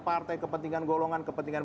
partai kepentingan golongan kepentingan